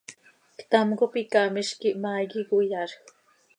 Ctam cop icaamiz quih ihmaa iiqui cöiyaazj.